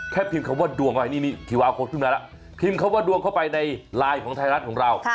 แค่พิมพ์คำว่าดวงเข้าไปในไลน์ของไทยรัฐของเรา